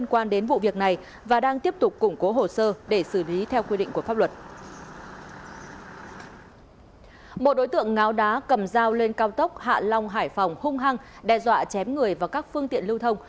một đối tượng ngáo đá cầm dao lên cao tốc hạ long hải phòng hung hăng đe dọa chém người và các phương tiện lưu thông